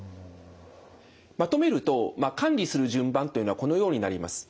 まとめると管理する順番というのはこのようになります。